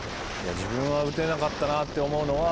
自分は打てなかったなって思うのは。